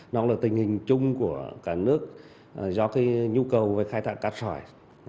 nó là tình hình chung của cả nước do cái nhu cầu về khai thác cát sỏi